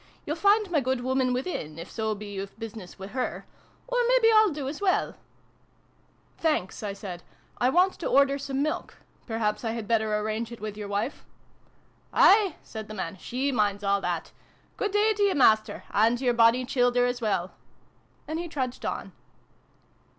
You'll find my good woman within, if so be you've business wi' her. Or mebbe I'll do as well ?"" Thanks," I said. " I want to order some milk. Perhaps I had better arrange it with your wife ?" "Aye," said the man. "She minds all that. Good day t'ye, Master and to your bonnie childer, as well !" And he trudged on.